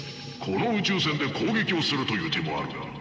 この宇宙船で攻撃をするという手もあるが。